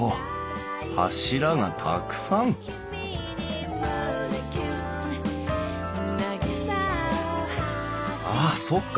柱がたくさんああそっか。